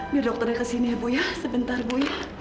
biar dokternya kesini ya bu sebentar bu